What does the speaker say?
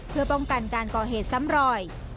เพื่อป้องกันการก่อเหตุซ้ำรอย